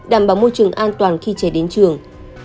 đảm bảo môi trường an toàn khi trẻ đến trường